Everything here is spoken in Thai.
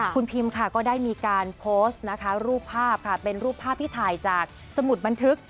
คุณพิมค่ะก็ได้มีการโพสต์นะคะรูปภาพค่ะเป็นรูปภาพที่ถ่ายจากสมุดบันทึก